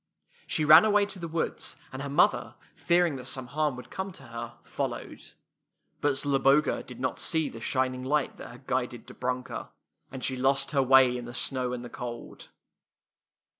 She ran away to the woods, and her mother, fearing that some harm would come to her, followed. ^ But Zloboga did not see the shining light that had guided Dobrunka, and she lost her way in the snow and the cold.